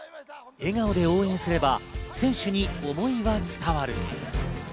笑顔で応援すれば選手に想いは伝わる。